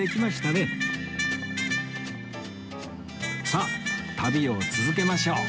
さあ旅を続けましょう